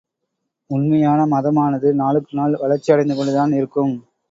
உண்மையான மதமானது நாளுக்கு நாள் வளர்ச்சி அடைந்து கொண்டுதான் இருக்கும்.